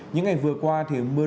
những ngày vừa qua thì mưa